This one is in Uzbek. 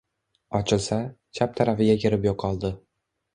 Ochilsa — chap tarafiga kirib yo‘qoldi.